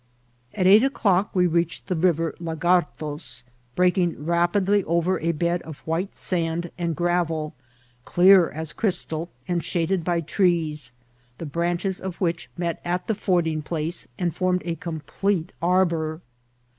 At eight o'clock we reached the River Lagartos, breaking rapidly over a bed of white sand and gravel, dear as crystal, and shaded by trees, the branches of which met at the fording plaee, and formed a complete arbour.